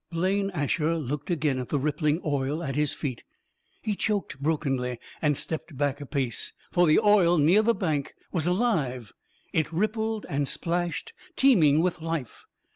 Blaine Asher looked again at the rippling oil at his feet. He choked brokenly and stepped back a pace. For the oil near the bank was alive! It rippled and splashed, teeming with life.